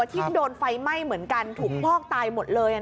ที่โดนไฟไหม้เหมือนกันถูกฟอกตายหมดเลย